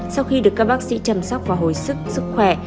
sau khi được các bác sĩ chăm sóc và hồi sức sức khỏe